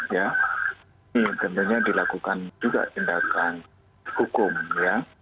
ini tentunya dilakukan juga tindakan hukum ya